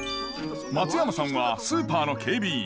松山さんはスーパーの警備員。